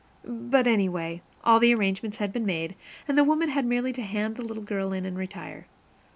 But, anyway, all the arrangements had been made, and the woman had merely to hand in the little girl and retire.